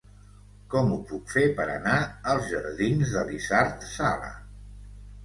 Com ho puc fer per anar als jardins d'Elisard Sala?